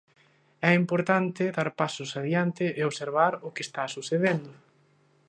É importante dar pasos adiante e observar o que está sucedendo.